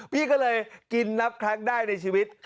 พี่ก็เลยกินนับครั้งได้ในชีวิต